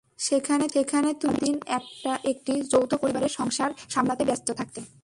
সেখানে তুমি সারা দিন একটি যৌথ পরিবারের সংসার সামলাতে ব্যস্ত থাকতে।